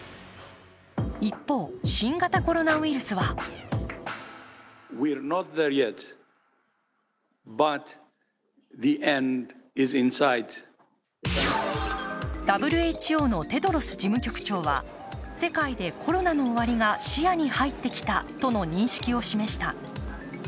一方、新型コロナウイルスはＷＨＯのテドロス事務局長は、世界でコロナの終わりが視野に入ってきたとの認識を示した。